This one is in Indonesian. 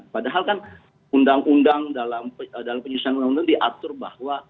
padahal kan undang undang dalam penyusunan undang undang diatur bahwa